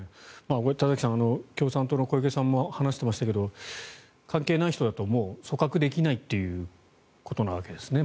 田崎さん共産党の小池さんも話してましたが関係ない人だともう組閣できないっていうことなわけですね。